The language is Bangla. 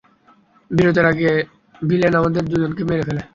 বিরতির আগে ভিলেন আমাদের দুজনকে মেরে ফেলে।